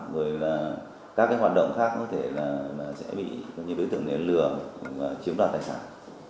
rồi là các cái hoạt động khác có thể là sẽ bị đối tượng lừa và chiếm đoạt tài sản